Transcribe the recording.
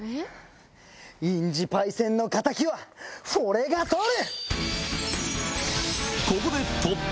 インジパイセンの敵は、フォレが取る！